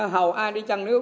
hầu ai đi trăng nước